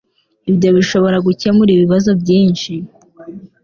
Ibyo bishobora gukemura ibibazo byinshi